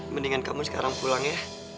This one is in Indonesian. mendingan kamu sekarang pulang ya